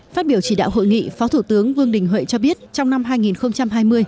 phát biểu chỉ đạo hội nghị phó thủ tướng vương đình huệ cho biết trong năm hai nghìn hai mươi